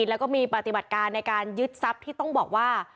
แล้วก็มีปฏิบัติการในการยึดทรัพย์ที่ต้องบอกว่า